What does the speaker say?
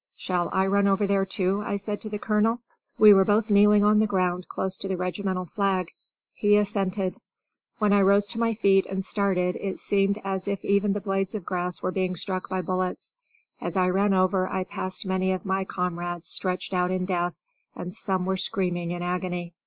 "Shall I run over there too?" I said to the colonel. We were both kneeling on the ground close to the regimental flag. He assented. When I rose to my feet and started it seemed as if even the blades of grass were being struck by bullets. As I ran over I passed many of my comrades stretched out in death, and some were screaming in agony.